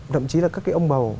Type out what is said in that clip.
đậm chí là các ông bầu